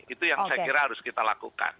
itu yang saya kira harus kita lakukan